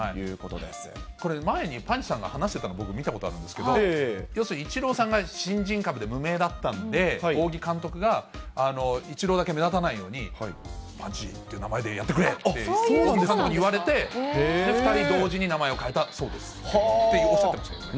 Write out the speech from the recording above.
これ、前にパンチさんが話してたの僕、見たことあるんですけど、要するにイチローさんが新人株で無名だったんで、仰木監督がイチローだけ目立たないように、パンチって名前でやってくれって言われて、２人同時に名前を変えたそうですっておっしゃってました。